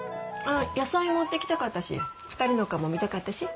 野菜持ってきたかったし２人の顔も見たかったし。